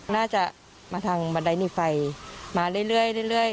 น่าจะมาทางบันไดหนีไฟมาเรื่อย